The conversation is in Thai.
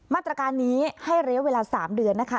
มาตรการนี้ให้ระยะเวลา๓เดือนนะคะ